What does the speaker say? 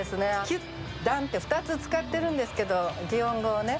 「キュッ」「ダンッ」って２つ使ってるんですけど擬音語をね。